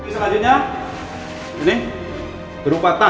selanjutnya ini berupa tas